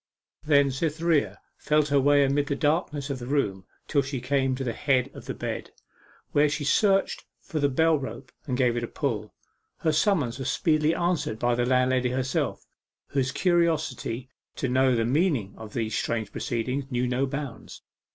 Then Cytherea felt her way amid the darkness of the room till she came to the head of the bed, where she searched for the bell rope and gave it a pull. Her summons was speedily answered by the landlady herself, whose curiosity to know the meaning of these strange proceedings knew no bounds.